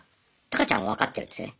タカちゃんは分かってるんですよね